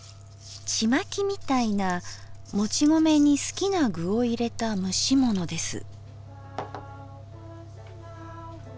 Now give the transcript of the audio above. ちまきみたいなもち米に好きな具を入れた蒸し物です